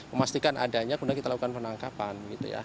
memastikan adanya kemudian kita lakukan penangkapan